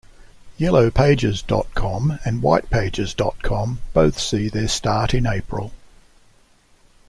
Yellowpages dot com and Whitepages dot com both see their start in April.